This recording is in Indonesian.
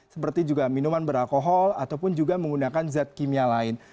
seperti juga minuman beralkohol ataupun juga menggunakan zat kimia lain